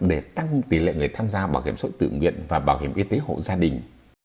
để tăng tỷ lệ người tham gia bảo hiểm xã hội tự nguyện và bảo hiểm y tế hộ gia đình